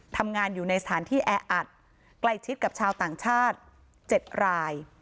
ทำงานอยู่ในสถานที่แออัดใกล้ชิดกับชาวต่างชาติ๗ราย